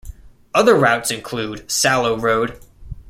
Other routes include Salo Road.